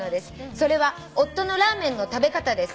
「それは夫のラーメンの食べ方です」